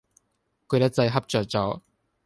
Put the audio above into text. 攰得滯，瞌着咗